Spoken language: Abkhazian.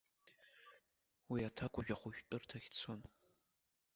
Уи аҭакәажә ахәышәтәырҭахь дцон.